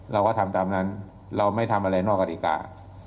เราก็ทำตามนั้นเราไม่ทำอะไรนอกกฎิกา